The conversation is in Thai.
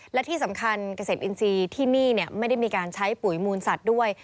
และที่สำคัญเกษตรอินทรีย์ที่นี่ไม่ได้มีการใช้ปุ๋ยมูลสัตว์ด้วย